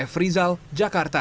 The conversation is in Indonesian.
f rizal jakarta